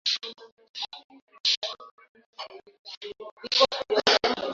na ambao tunaushirikiano mzuri sana kwa hiyo